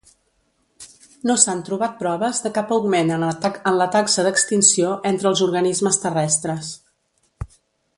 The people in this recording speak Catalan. No s'han trobat proves de cap augment en la taxa d'extinció entre els organismes terrestres.